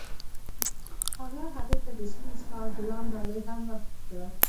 هغه هغې ته د سپین سهار ګلان ډالۍ هم کړل.